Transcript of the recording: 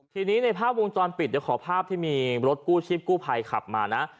ทีนี้ในภาพวงจรปิดเดี๋ยวขอภาพที่มีรถกู้ชีพกู้ภัยขับมานะ